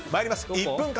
１分間。